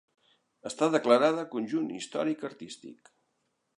Està declarada Conjunt Històric Artístic.